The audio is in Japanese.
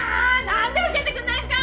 何で教えてくんないんすか！